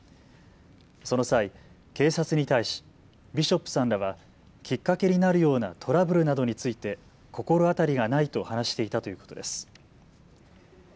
その際、警察に対しビショップさんらはきっかけになるようなトラブルなどについて心当たりがないと話していたということです。